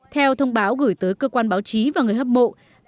theo thông báo gửi tới cơ quan báo chí và người hâm mộ